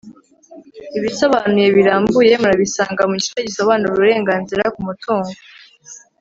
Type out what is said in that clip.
ibisobanuye birambuye murabisanga, mu gice gisobanura uburenganzira ku mutungo